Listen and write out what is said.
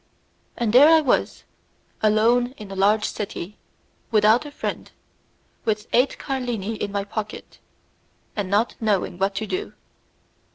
And there I was, alone in a large city, without a friend, with eight carlini in my pocket, and not knowing what to do!